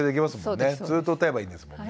ずっと歌えばいいんですもんね。